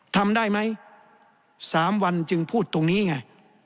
ทำได้ไหม๓วันจึงพูดตรงนี้ไง